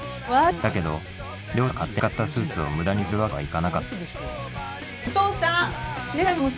だけど両親が勝手に買ったスーツをむだにするわけにはいかなかった。